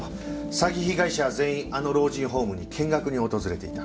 詐欺被害者は全員あの老人ホームに見学に訪れていた。